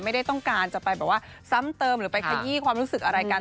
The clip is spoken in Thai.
ไม่ได้ต้องการจะไปแบบว่าซ้ำเติมหรือไปขยี้ความรู้สึกอะไรกัน